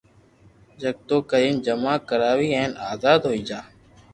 جڪدو ڪرين جما ڪراو ھين آزاد ھوئي جا